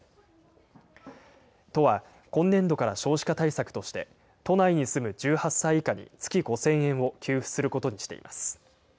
都は今年度から少子化対策として、都内に住む１８歳以下に月５０００円を給付することにしています。